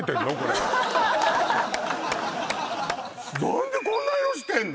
何でこんな色してんの？